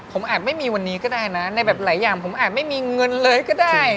ผมอาจไม่มีวันนี้ก็ได้นะในแบบหลายอย่างผมอาจไม่มีเงินเลยก็ได้